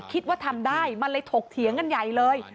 คิดว่าทำได้มันเลยถกเถียงกันใหญ่เลย